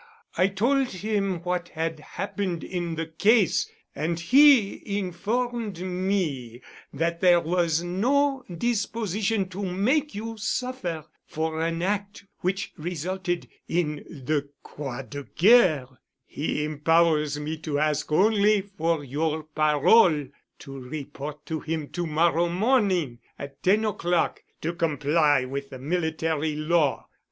I told him what had happened in the case and he informed me that there was no disposition to make you suffer for an act which resulted in the Croix de Guerre. He empowers me to ask only for your parole to report to him to morrow morning, at ten o'clock, to comply with the military law.